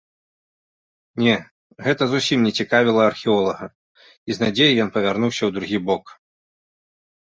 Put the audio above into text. Не, гэта зусім не цікавіла археолага, і з надзеяй ён павярнуўся ў другі бок.